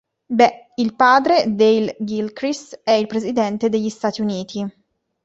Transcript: Beh, il padre, Dale Gilchrist, è il presidente degli Stati Uniti.